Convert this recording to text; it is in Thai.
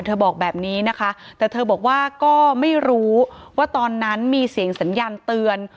บอกแบบนี้นะคะแต่เธอบอกว่าก็ไม่รู้ว่าตอนนั้นมีเสียงสัญญาณเตือน